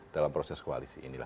dalam proses koalisi